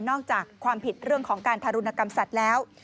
จากความผิดเรื่องของการทารุณกรรมสัตว์แล้ว